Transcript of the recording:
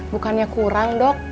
bukannya kurang dok